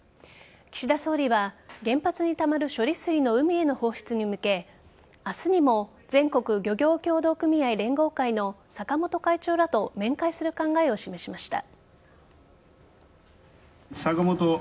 岸田総理は、原発にたまる処理水の海への放出に向け明日にも全国漁業協同組合連合会の坂本会長らと面会する考えを示しました。